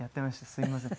すいません。